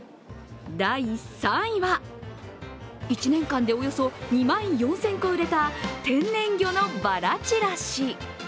第３位は、１年間でおよそ２万４０００個売れた天然魚のバラちらし。